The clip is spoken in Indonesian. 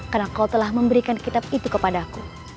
karena kau telah memberikan kitab itu kepadaku